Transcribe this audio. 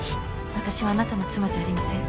私はあなたの妻じゃありません。